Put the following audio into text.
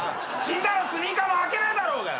死んだらスニーカーも履けねえだろうが！